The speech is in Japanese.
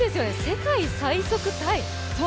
世界最速タイ。